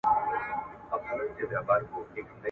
چي د اوښکو په ګودر کي د ګرېوان کیسه کومه